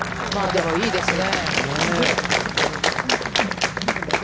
でも、いいですね。